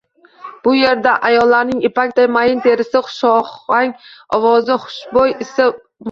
Bu erda ayollarning ipakday mayin terisi, hushohang ovozi, hushbo`y isi muhim